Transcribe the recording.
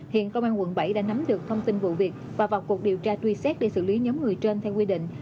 hiện công an quận bảy đã nắm được thông tin vụ việc và vào cuộc điều tra truy xét để xử lý nhóm người trên theo quy định